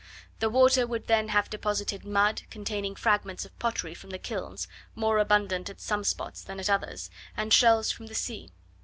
The water would then have deposited mud, containing fragments of pottery from the kilns, more abundant at some spots than at others, and shells from the sea.